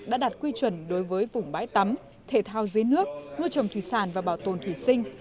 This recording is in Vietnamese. đã đạt quy chuẩn đối với vùng bãi tắm thể thao dưới nước nuôi trồng thủy sản và bảo tồn thủy sinh